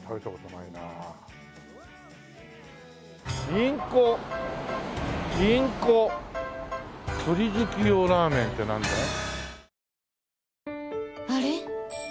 「インコ」「インコ鳥好き用ラーメン」ってなんだい？